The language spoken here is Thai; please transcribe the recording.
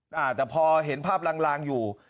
แต่พอเห็นภาพลางอยู่